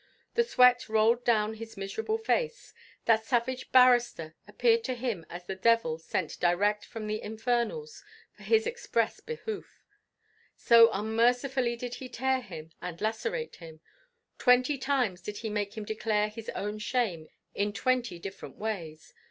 The sweat rolled down his miserable face. That savage barrister appeared to him as a devil sent direct from the infernals, for his express behoof; so unmercifully did he tear him, and lacerate him; twenty times did he make him declare his own shame in twenty different ways.